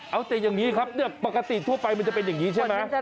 เอาแต่อย่างนี้ครับปกติทั่วไปมันจะเป็นอย่างนี้ใช่ไหม